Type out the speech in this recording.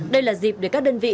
đây là dịp để các đơn vị